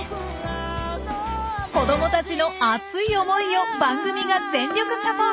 子どもたちの熱い思いを番組が全力サポート。